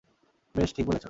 বেশ, ঠিক বলেছো।